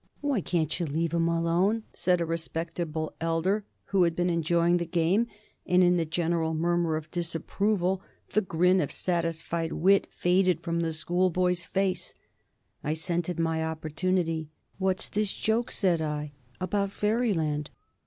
"Why can't you leave 'im alone?" said a respectable elder who had been enjoying the game, and in the general murmur of disapproval the grin of satisfied wit faded from the ploughboy's face. I scented my opportunity. "What's this joke," said I, "about Fairyland?"